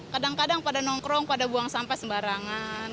kadang kadang pada nongkrong pada buang sampah sembarangan